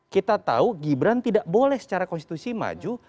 kita tahu gibran tidak boleh secara konstitusi maju